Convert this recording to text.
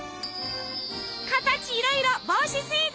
形いろいろ帽子スイーツ！